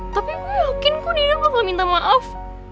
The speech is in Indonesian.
tapi gue yakin kok dinda gak akan minta maaf